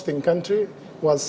itu sangat luar biasa